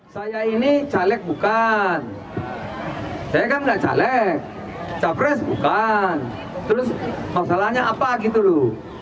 saya ini caleg bukan saya kan nggak caleg capres bukan terus masalahnya apa gitu loh